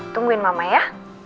tungguin mama ya